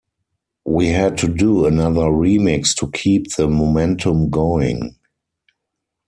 We had to do another remix to keep the momentum going.